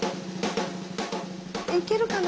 行けるかな？